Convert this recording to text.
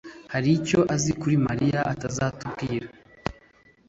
hari icyo azi kuri Mariya atazatubwira.